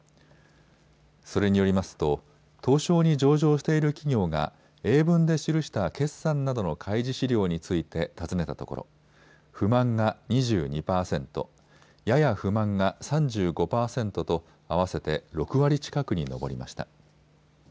それによりますと東証に上場している企業が英文で記した決算などの開示資料について尋ねたところ不満が２２％、やや不満が３５％と合わせて６割近くに上りました。